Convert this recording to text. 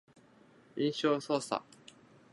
印象操作